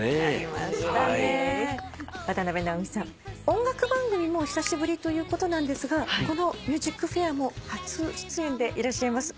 音楽番組も久しぶりということなんですがこの『ＭＵＳＩＣＦＡＩＲ』も初出演でいらっしゃいます。